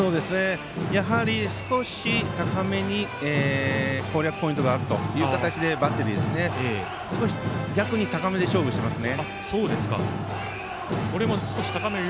やはり、少し高めに攻略ポイントがあるという形でバッテリー、逆に高めで勝負をしています。